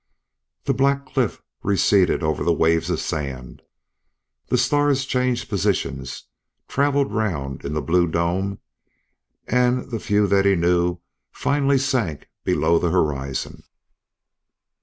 The black cliff receded over the waves of sand; the stars changed positions, travelled round in the blue dome, and the few that he knew finally sank below the horizon.